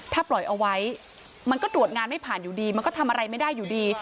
ถ้าปล่อยเอาไว้มันก็ตรวจงานไม่ผ่านอยู่ดีมันก็ทำอะไรไม่ได้อยู่ดี